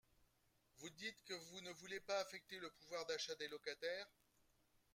Vous dites que vous ne voulez pas affecter le pouvoir d’achat des locataires.